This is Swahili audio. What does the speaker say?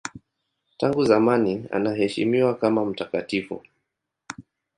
Tangu zamani anaheshimiwa kama mtakatifu.